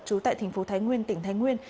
trú tại tp thái nguyên tỉnh thái nguyên